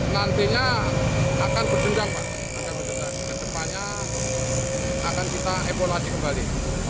nantinya akan berjundang dan depannya akan kita epolasi kembali